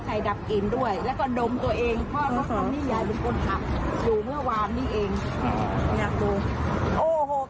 อย่าพึ่งอย่าพึ่งเดี๋ยวขอสูดข้างใน